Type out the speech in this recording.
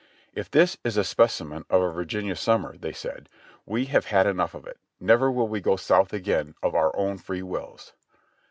"If this is a specimen of a Virginia summer," they said, "we have had enough of it; never will we come South again of our own free wills